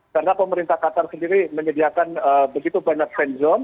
karena pemerintah qatar sendiri menyediakan begitu banyak fan zone